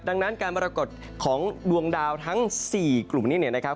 ดังนั้นการปรากฏของดวงดาวทั้ง๔กลุ่มนี้เนี่ยนะครับ